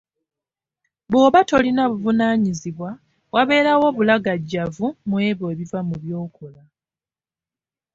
Bw'oba tolina buvunaanyizibwa wabeerawo obulagajjavu mw'ebyo ebiva mu by'okola.